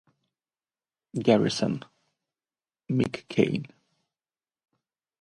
Garrison (Mick Cain).